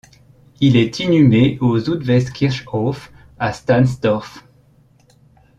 Il est inhumé au Südwestkirchhof à Stahnsdorf.